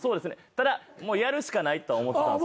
ただやるしかないとは思ってたんですけど